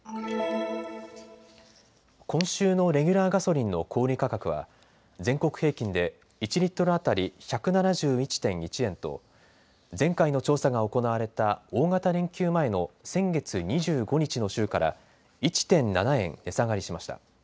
今週のレギュラーガソリンの小売価格は全国平均で１リットル当たり１７１．１円と前回の調査が行われた大型連休前の先月２５日の週から１．７円値下がりしました。